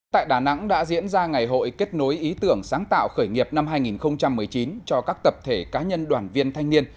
tại đà nẵng đã diễn ra ngày hội kết nối ý tưởng sáng tạo khởi nghiệp năm hai nghìn một mươi chín cho các tập thể cá nhân đoàn viên thanh niên